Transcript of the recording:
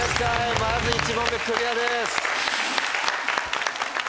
まず１問目クリアです。